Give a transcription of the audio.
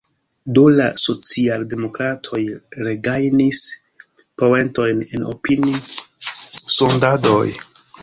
Do la socialdemokratoj regajnis poentojn en opini-sondadoj.